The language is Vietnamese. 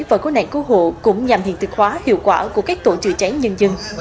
và cố nạn cố hộ cũng nhằm hiện thực hóa hiệu quả của các tổ chữa cháy nhân dân